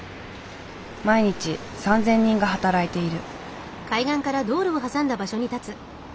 毎日３，０００人が働いている。